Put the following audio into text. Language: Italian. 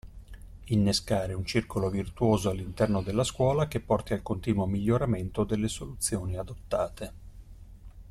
Innescare un circolo virtuoso all'interno della scuola che porti al continuo miglioramento delle soluzioni adottate.